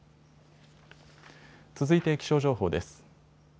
続いて気象情報です。